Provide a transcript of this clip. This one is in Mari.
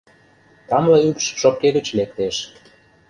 Тамле ӱпш шопке гыч лектеш.